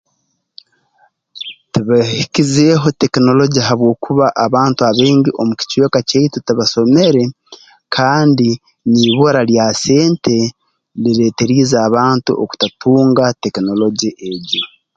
Tibeehikizeeho tekinoloje habwokuba abantu abaingi omu kicweka kyaitu tibasomere kandi niibura lya sente lireeterize abantu okutatunga tekinoloje egyo